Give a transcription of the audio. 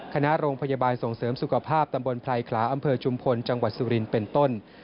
คณะโรงพยาบาลส่งเสริมสุขภาพตำบลไพรขลาอำเภอชุมพลจังหวัดสุรินเป็นต้น